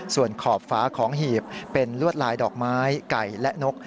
ส่วนขอบฝาของหีบเป็นลวดลายดอกไม้ไก่และนก